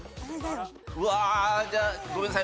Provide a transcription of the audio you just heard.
うわじゃあごめんなさい。